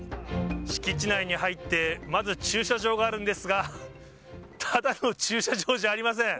敷地内に入ってまず駐車場があるんですが、ただの駐車場じゃありません。